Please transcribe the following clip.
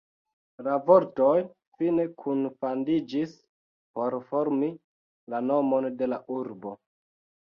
La vortoj fine kunfandiĝis por formi la nomon de la urbo.